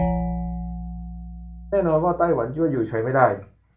แน่นอนว่าไต้หวันก็อยู่เฉยไม่ได้